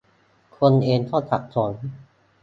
คนเองก็สับสน